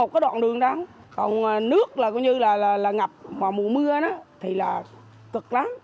còn đường này nước là như là ngập mà mùa mưa thì là cực lắm